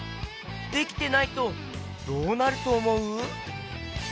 できてないとどうなるとおもう？